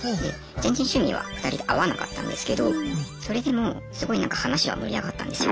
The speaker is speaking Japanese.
全然趣味は２人で合わなかったんですけどそれでもすごいなんか話は盛り上がったんですよ。